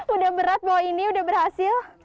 udah berat bawa ini udah berhasil